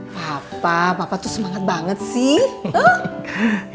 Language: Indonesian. papa papa itu semangat banget sih